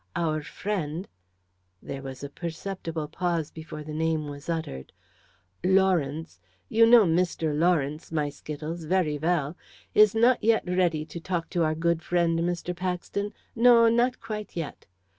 Our friend" there was a perceptible pause before the name was uttered "Lawrence you know Mr. Lawrence, my Skittles, very well is not yet ready to talk to our good friend Mr. Paxton no, not quite, yet.